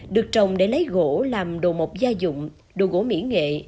được trồng để lấy gỗ làm đồ mộc gia dụng đồ gỗ mỹ nghệ